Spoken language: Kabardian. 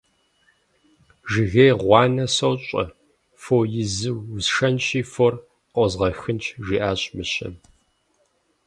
Жыгей гъуанэ сощӏэ, фо изу, усшэнщи, фор къозгъэхынщ, - жиӏащ мыщэм.